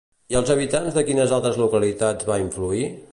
I als habitants de quines altres localitats va influir?